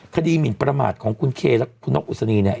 หมินประมาทของคุณเคและคุณนกอุศนีเนี่ย